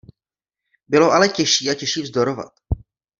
Bylo ale těžší a těžší vzdorovat.